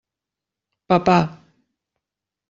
Papà.